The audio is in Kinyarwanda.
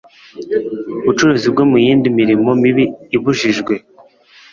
bucuruzi bwo mu yindi mirimo mibi ibujijwe